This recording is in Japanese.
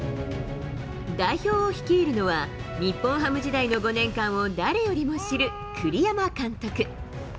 代表を率いるのは、日本ハム時代の５年間を誰よりも知る栗山監督。